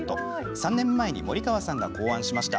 ３年前に森川さんが考案しました。